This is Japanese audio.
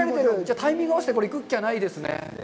タイミングを合わせて行くっきゃないですね。